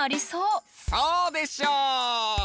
そうでしょう！